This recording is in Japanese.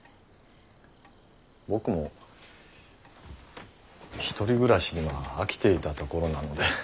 僕も１人暮らしには飽きていたところなので。